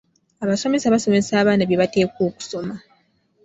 Abasomesa basomesa abaana bye bateekwa okusoma.